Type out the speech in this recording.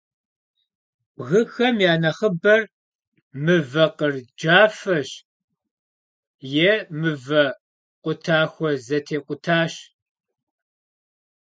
Bgıxem ya nexhıber mıve khır cafeş yê mıve khutaxue zetêk'utaş.